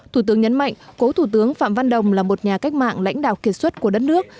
thủ tướng nhấn mạnh cố thủ tướng phạm văn đồng là một nhà cách mạng lãnh đạo kiệt xuất của đất nước